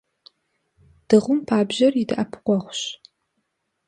Дыгъум пабжьэр и дэӀэпыкъуэгъущ.